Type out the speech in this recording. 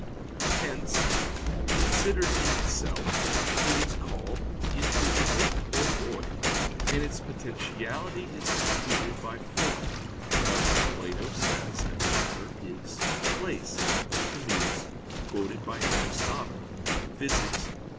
Hence, considered in itself, it is called "invisible" or "void," and its potentiality is completed by form; thus Plato says that matter is "place" [*Timaeus, quoted by Aristotle, Phys.